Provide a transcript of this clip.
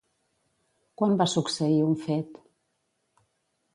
Quan va succeir un fet?